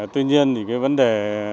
tuy nhiên thì cái vấn đề